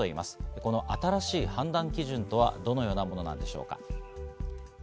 この新しい判断基準とはどのようなものなのでしょうか。